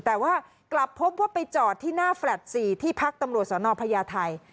แต่ว่ากลับพบว่าไปจอดที่หน้าแฟลต์๔ที่พักตำรวจสนพญาไทย